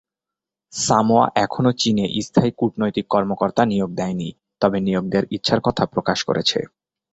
Samoa এখনও চীনে স্থায়ী কূটনৈতিক কর্মকর্তা নিয়োগ দেয়নি, তবে নিয়োগ দেওয়ার ইচ্ছার কথা প্রকাশ করেছে।